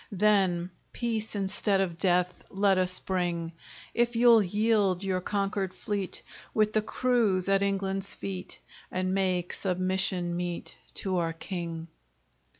Then, peace instead of death Let us bring! If you'll yield your conquered fleet, With the crews, at England's feet, And make submission meet To our king!